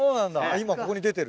今ここに出てる？